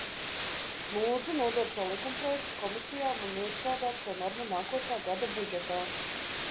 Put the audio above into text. Lūdzu nodot šo likumprojektu komisijām un iestrādāt šo normu nākošā gada budžetā!